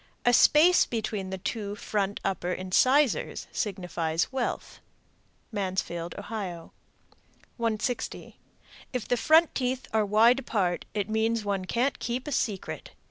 A space between the two front upper incisors signifies wealth. Mansfield, O. 160. If the front teeth are wide apart, it means one can't keep a secret.